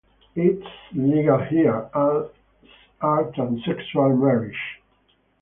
It is legal here, as are transsexual marriages.